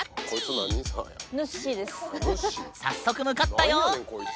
早速向かったよ！